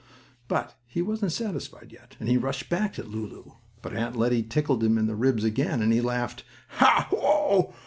But he wasn't satisfied yet, and he rushed back at Lulu, but Aunt Lettie tickled him in the ribs again, and he laughed: "Ha! Ho!"